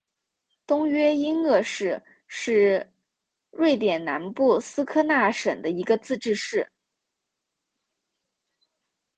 东约因厄市是瑞典南部斯科讷省的一个自治市。